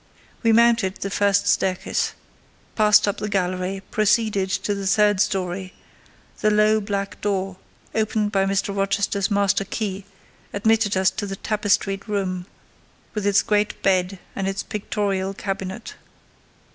We mounted the first staircase, passed up the gallery, proceeded to the third storey: the low, black door, opened by Mr. Rochester's master key, admitted us to the tapestried room, with its great bed and its pictorial cabinet.